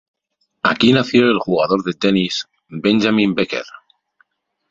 Aquí nació el jugador de tenis Benjamin Becker.